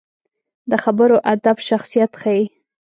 د خبرو ادب شخصیت ښيي